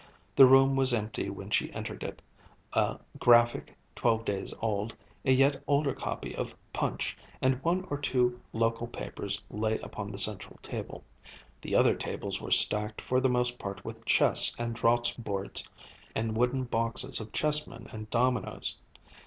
The room was empty when she entered it; a Graphic twelve days old, a yet older copy of Punch, and one or two local papers lay upon the central table; the other tables were stacked for the most part with chess and draughts boards, and wooden boxes of chessmen and dominoes.